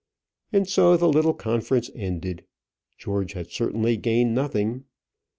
And so the little conference ended. George had certainly gained nothing.